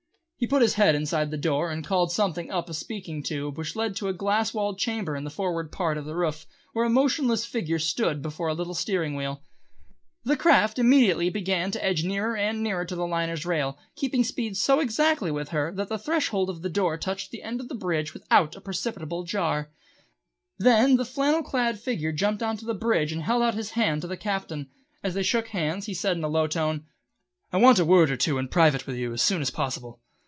He put his head inside the door and called something up a speaking tube which led to a glass walled chamber in the forward part of the roof, where a motionless figure stood before a little steering wheel. The craft immediately began to edge nearer and nearer to the liner's rail, keeping speed so exactly with her that the threshold of the door touched the end of the bridge without a perceptible jar. Then the flannel clad figure jumped on to the bridge and held out his hand to the Captain. As they shook hands he said in a low tone, "I want a word or two in private with you, as soon as possible."